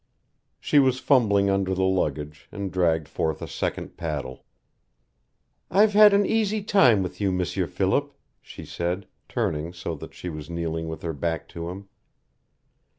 She was fumbling under the luggage, and dragged forth a second paddle. "I've had an easy time with you, M'sieur Philip," she said, turning so that she was kneeling with her back to him.